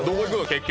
結局。